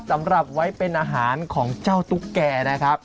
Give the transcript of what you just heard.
สำหรับไว้เป็นอาหารของเจ้าตุ๊กแก่นะครับ